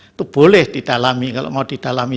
itu boleh didalami kalau mau didalami